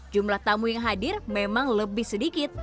jumlah tamu yang hadir memang lebih sedikit